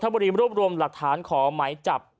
ถ้าบริมร่วมรวมหลักฐานขอหมายจับ